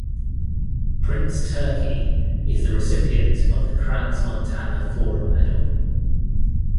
Prince Turki is the recipient of the Crans Montana Forum medal.